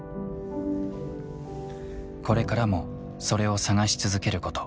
これからもそれを探し続けること。